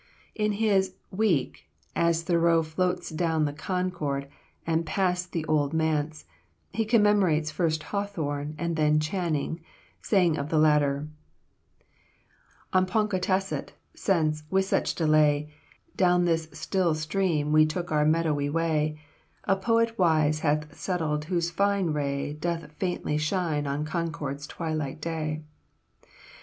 In his "Week," as Thoreau floats down the Concord, past the Old Manse, he commemorates first Hawthorne and then Channing, saying of the latter, "On Ponkawtasset, since, with such delay, Down this still stream we took our meadowy way, A poet wise hath settled whose fine ray Doth faintly shine on Concord's twilight day.